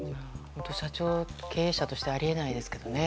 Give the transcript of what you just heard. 社長経営者としてあり得ないですけどね。